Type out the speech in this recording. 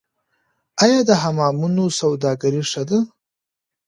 آیا د حمامونو سوداګري ښه ده؟